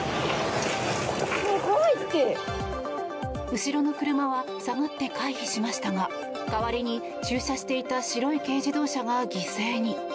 後ろの車は下がって回避しましたが代わりに、駐車していた白い軽自動車が犠牲に。